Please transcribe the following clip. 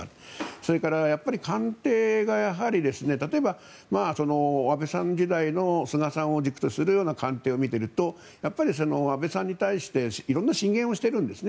それから、官邸がやはり例えば安倍さん時代の菅さんを軸とするような官邸を見ていると安倍さんに対して色んな進言をしているんですね。